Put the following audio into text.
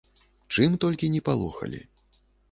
Чым толькі ні палохалі.